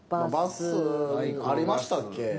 バスありましたっけ？